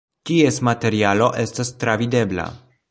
Ties materialo estas travidebla.